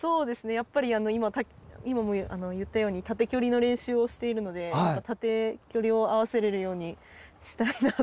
やっぱり今も言ったように、縦距離の練習をしているので、縦距離を合わせれるようにしたいな。